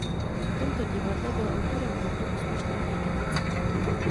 V tomto divadle byl autorem hudby úspěšné hry "Kytice".